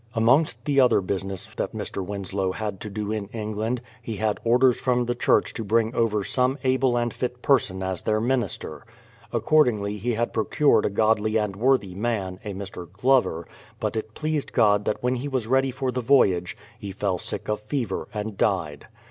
Amongst the other business that Mr. Winslow had to do in England, he had orders from the church to bring over some able and fit person as their minister. Accordingly he had procured a godly and worthy man, a Mr. Glover; but it pleased God that when he was ready for the voyage. 274 BRADFORD'S HISTORY he fell sick of fever and died.